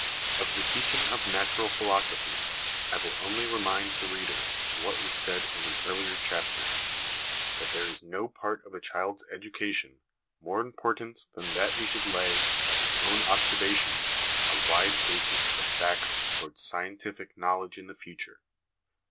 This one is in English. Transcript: Of the teaching of Natural Philosophy, I will only remind the reader of what was said in an earlier chapter that there is no part of a child's education more important than that he should lay, by his own observation, a wide basis of facts towards scientific knowledge in the future.